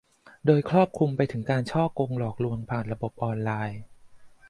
โดยครอบคลุมไปถึงการฉ้อโกงหลอกลวงผ่านระบบออนไลน์